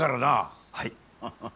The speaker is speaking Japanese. はい。